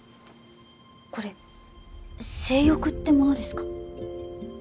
これ性欲ってものですか？